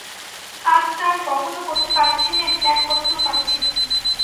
আজ তা আর বহনও করতে পারছি নে, ত্যাগ করতেও পারছি নে।